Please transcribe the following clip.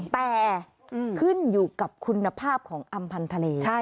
แต่ขึ้นอยู่กับคุณภาพของอำพันธ์ทะเล